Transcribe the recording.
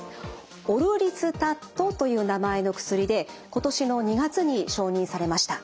オルリスタットという名前の薬で今年の２月に承認されました。